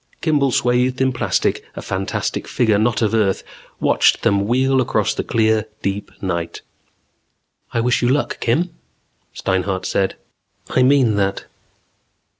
Kimball, swathed in plastic, a fantastic figure not of earth, watched them wheel across the clear, deep night. "I wish you luck, Kim," Steinhart said. "I mean that."